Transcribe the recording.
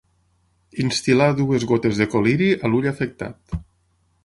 Instil·lar dues gotes de col·liri a l'ull afectat.